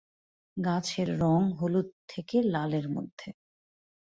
গাছের রঙ হলুদ থেকে লালের মধ্যে।